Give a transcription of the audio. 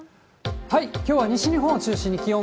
きょうは西日本中心に、気温